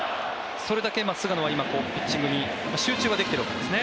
それだけ菅野は今、ピッチングに集中はできてるわけですね。